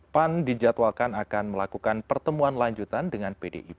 pan dijadwalkan akan melakukan pertemuan lanjutan dengan pdip